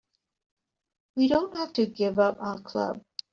We don't have to give up our club.